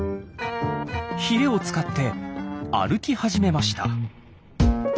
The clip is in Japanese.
ヒレを使って歩き始めました。